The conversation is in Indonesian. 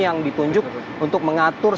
yang ditunjuk untuk mengatur